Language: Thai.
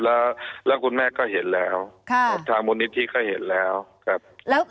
แล้วแล้วคุณแม่ก็เห็นแล้วค่ะทางมูลนิธิก็เห็นแล้วครับแล้วแล้วตัว